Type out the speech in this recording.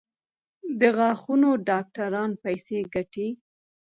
د غاښونو ډاکټران پیسې ګټي؟